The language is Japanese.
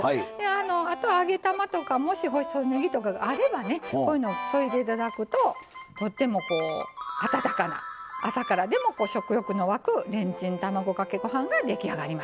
あとは揚げ玉とかもし細ねぎとかがあればねこういうのを添えて頂くととっても温かな朝からでも食欲の湧くレンチン卵かけご飯が出来上がります。